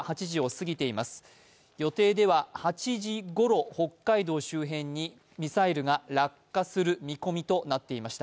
予定では８時ごろ北海道周辺にミサイルが落下する見込みとなっていました。